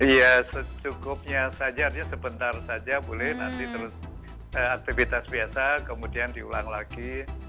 ya secukupnya saja artinya sebentar saja boleh nanti terus aktivitas biasa kemudian diulang lagi